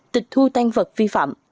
tịch thu tan vật vi phạm